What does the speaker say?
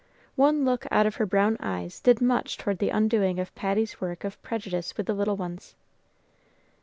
One look out of her brown eyes did much toward the undoing of Patty's work of prejudice with the little ones.